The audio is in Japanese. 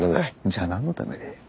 じゃあ何のために？